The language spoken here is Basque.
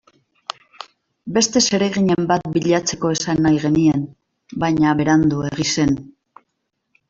Beste zereginen bat bilatzeko esan nahi genien, baina Beranduegi zen.